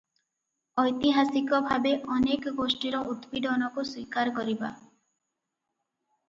ଐତିହାସିକ ଭାବେ ଅନେକ ଗୋଷ୍ଠୀର ଉତ୍ପୀଡ଼ନକୁ ସ୍ୱୀକାର କରିବା ।